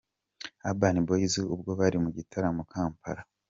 Urban Boyz ubwo bari mu gitaramo Kampala.